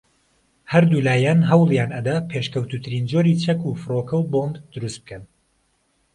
ھەردوولایان ھەوڵیان ئەدا پێشکەوتووترین جۆری چەک و فڕۆکەو بۆمب دروست بکەن